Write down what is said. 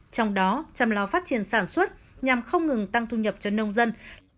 trong đó chăm lo phát triển sản xuất nhằm không ngừng tăng thu nhập cho nông dân